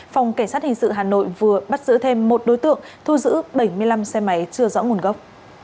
phòng cảnh sát hình sự hà nội vừa bắt giữ thêm một đối tượng thu giữ bảy mươi năm xe máy chưa rõ nguồn gốc